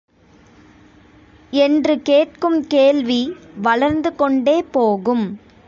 என்று கேட்கும் கேள்வி வளர்ந்து கொண்டே போகும்.